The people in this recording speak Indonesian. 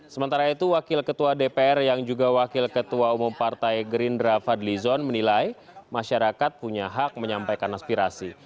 sementara itu wakil ketua dpr yang juga wakil ketua umum partai gerindra fadli zon menilai masyarakat punya hak menyampaikan aspirasi